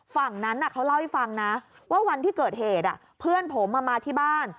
ฝั่งนั้นเขาเล่าให้ฟังนะว่าวันที่เกิดเหตุเพื่อนผมมาที่บ้าน